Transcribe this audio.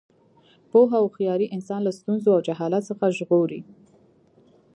پوهه او هوښیاري انسان له ستونزو او جهالت څخه ژغوري.